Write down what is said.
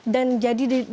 dan jadi dinilai